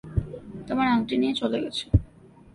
তোমার আংটি নিয়ে চলে গেছে।